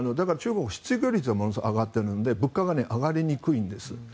だから、中国は失業率がものすごく上がっているので物価が上がりにくいんです。